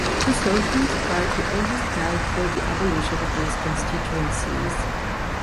The Socialist Party also stand for the abolition of these constituencies.